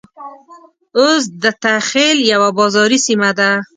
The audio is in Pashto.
اوس دته خېل يوه بازاري سيمه ده.